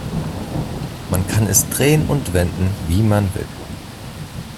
Man kann es drehen und wenden, wie man will.